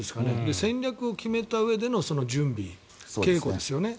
戦略を決めたうえでのその準備、稽古ですよね。